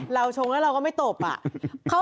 ชงแล้วเราก็ไม่ตบอะ